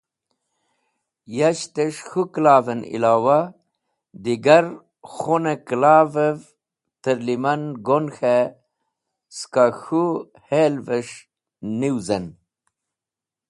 Yashtes̃h k̃hũ kẽla’v en illowa, digar khun-e kẽla’vev trẽ liman go’n k̃he skẽ k̃hũ hel’ves̃h niwizen.